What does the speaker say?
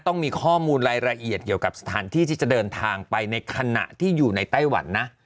ต้องมีข้อมูลรายละเอียดเกี่ยวกับสถานที่ที่จะเดินทางไปในขณะที่อยู่ในไต้หวันนะ